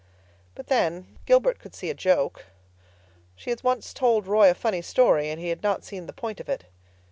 But then, Gilbert could see a joke. She had once told Roy a funny story—and he had not seen the point of it.